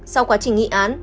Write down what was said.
sau quá trình nghị án